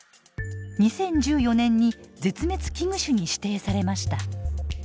２０１４年に絶滅危惧種に指定されました。